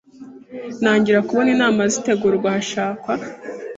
ntangira kubona inama zitegurwa hashakwa